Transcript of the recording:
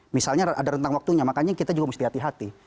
misalnya ada rentang waktunya makanya kita juga mesti hati hati